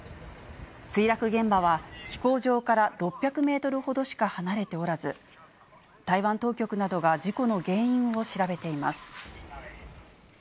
墜落現場は、飛行場から６００メートルほどしか離れておらず、台湾当局などが事故の原因を調べています。